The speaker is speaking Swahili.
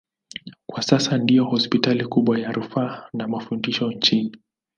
Kwa sasa ndiyo hospitali kubwa ya rufaa na mafundisho nchini.